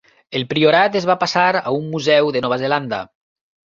El priorat es va passar a un museu de Nova Zelanda.